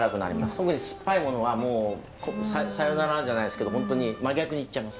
特に酸っぱいものはもう「さよなら」じゃないですけど本当に真逆に行っちゃいます。